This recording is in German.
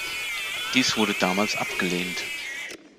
Dies wurde damals abgelehnt.